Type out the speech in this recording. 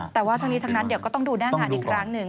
แต่ว่าทุกวันนี้ทั้งนั้นเดี๋ยวจะต้องดูหน้างาอีกลกลางหนึ่ง